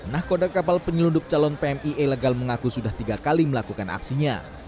nahkoda kapal penyelundup calon pmi ilegal mengaku sudah tiga kali melakukan aksinya